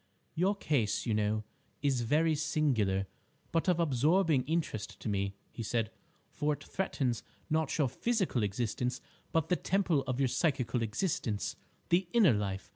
"Your case, you know, is very singular, but of absorbing interest to me," he said, "for it threatens, not your physical existence but the temple of your psychical existence—the inner life.